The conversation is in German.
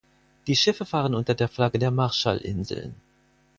Die Schiffe fahren unter der Flagge der Marshallinseln.